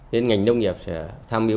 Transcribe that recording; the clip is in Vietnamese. nên ngành nông nghiệp sẽ tham mưu